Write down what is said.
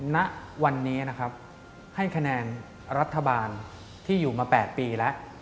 ณวันนี้นะครับให้คะแนนรัฐบาลที่อยู่มา๘ปีแล้ว